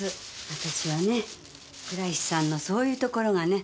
私はね倉石さんのそういうところがね